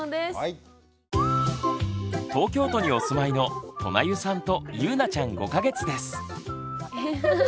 東京都にお住まいのとなゆさんとゆうなちゃん５か月です。